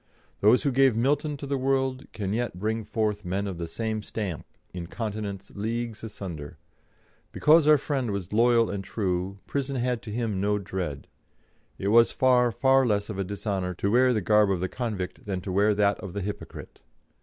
Those who gave Milton to the world can yet bring forth men of the same stamp in continents leagues asunder. Because our friend was loyal and true, prison had to him no dread. It was far, far less of dishonour to wear the garb of the convict than to wear that of the hypocrite.